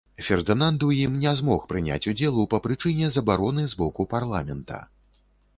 Фердынанд у ім не змог прыняць удзелу па прычыне забароны з боку парламента.